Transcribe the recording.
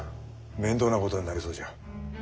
面倒なことになりそうじゃ。